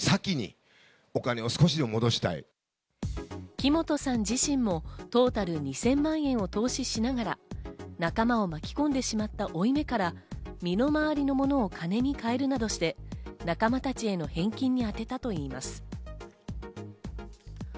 木本さん自身もトータル２０００万円を投資しながら、仲間を巻き込んでしまった負い目から身の回りの物を金に変えるなどして、仲間たちへの返金に充てたといいます。